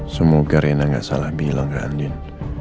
semoga rena gak salah bilang ke andin